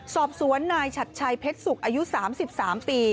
สอบสวนนายชัดชัยเพชรสุกอายุ๓๓ปี